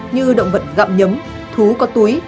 như động vật gặm nhấm thú có túi